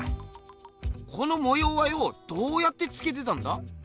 この模様はよどうやってつけてたんだ？